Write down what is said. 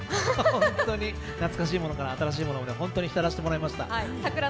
本当に懐かしいものから新しいものまで、本当に聴かせてもらいました